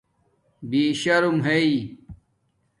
بِشرم ہݶ